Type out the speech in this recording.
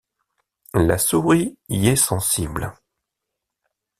La souris y est sensible.